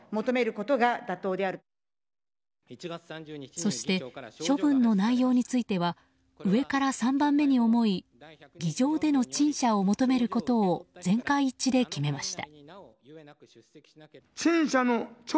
そして、処分の内容については上から３番目に重い議場での陳謝を求めることを全会一致で決めました。